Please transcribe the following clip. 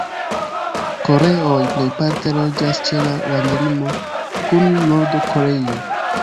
Koreoj plejparte loĝas ĉe la landlimo kun Nord-Koreio.